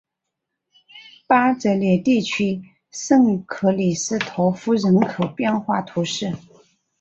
巴泽勒地区圣克里斯托夫人口变化图示